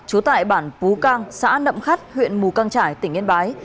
trú tại bản pú cang xã nậm khắt huyện mù căng trải tỉnh yên bái